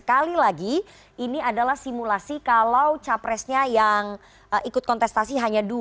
kali lagi ini adalah simulasi kalau capresnya yang ikut kontestasi hanya dua